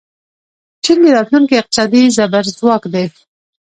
چین د راتلونکي اقتصادي زبرځواک دی.